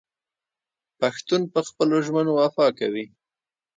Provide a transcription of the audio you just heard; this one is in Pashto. پښتون په خپلو ژمنو وفا کوي.